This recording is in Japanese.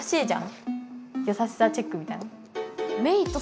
やさしさチェックみたいな。